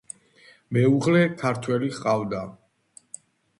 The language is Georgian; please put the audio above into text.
მეუღლე ქართველი ჰყავდა.